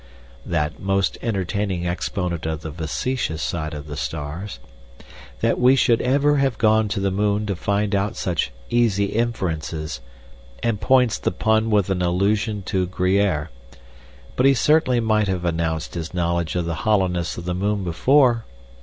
that most entertaining exponent of the facetious side of the stars, that we should ever have gone to the moon to find out such easy inferences, and points the pun with an allusion to Gruyère, but he certainly might have announced his knowledge of the hollowness of the moon before.